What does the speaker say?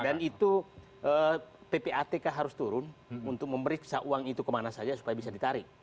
itu ppatk harus turun untuk memeriksa uang itu kemana saja supaya bisa ditarik